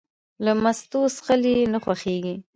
له مستو څښل یې نه خوښېږي.